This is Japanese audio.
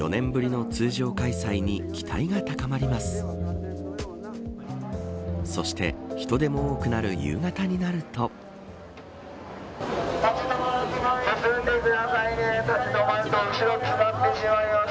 ４年ぶりの通常開催に期待が高まります。